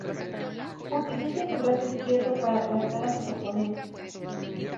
Utiliza su brazo izquierdo para aplastar a sus oponentes.